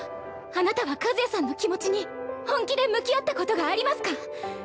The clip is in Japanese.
あなたは和也さんの気持ちに本気で向き合ったことがありますか？